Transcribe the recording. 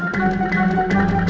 hah hah hah hah